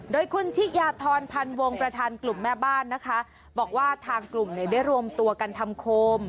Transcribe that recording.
โดยคุณชิยาธรพันวงประธานกลุ่มแม่บ้านนะคะบอกว่าทางกลุ่มเนี่ยได้รวมตัวกันทำโคม